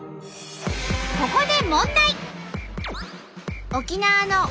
ここで問題。